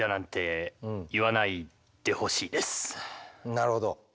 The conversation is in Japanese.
なるほど。